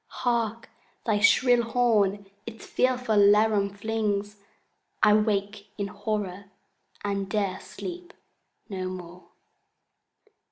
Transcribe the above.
Hark, thy shrill horn its fearful laram flings! —I wake in horror, and 'dare sleep no more!